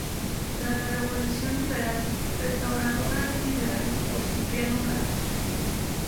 Tras la Revolución Liberal Restauradora es liberado por Cipriano Castro.